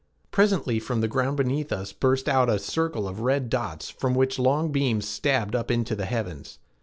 Presently from the ground beneath us burst out a circle of red dots from which long beams stabbed up into the heavens.